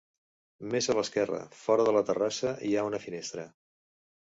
Més a l'esquerra, fora de la terrassa, hi ha una finestra.